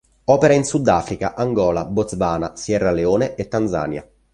Opera in Sudafrica, Angola, Botswana, Sierra Leone e Tanzania.